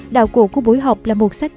đạo cụ của bối học là bối cục ngang hàng